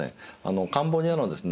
カンボジアのですね